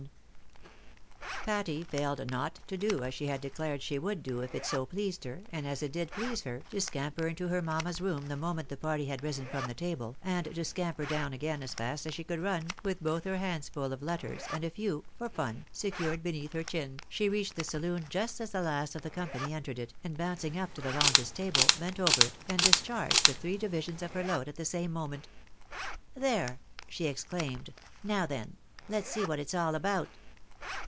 MRS. BARNAEY'S fame PUBLISHED. 155 Patty failed not to do as she had declared she would do if it so pleased her, and as it did please her, to scamper into her mamma's room the moment the party had risen from table, and to scamper down again as fast as she could run, with both her hands full of letters, and a few, for fun, secured beneath her chin : she reached the saloon just as the last of the company entered it, and bouncing up to the longest table, bent over it, and discharged the three divisions of her load at the same moment. "There!" she exclaimed; "now then, let's see what it's all about."